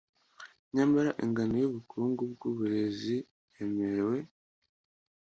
Nyamara ingano yubukungu bwubureziiremerewe